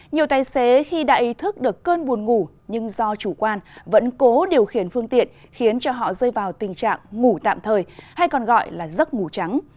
nhiều tài xế khi đã ý thức được cơn buồn ngủ nhưng do chủ quan vẫn cố điều khiển phương tiện khiến cho họ rơi vào tình trạng ngủ tạm thời hay còn gọi là giấc ngủ trắng